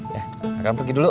ya sekarang pergi dulu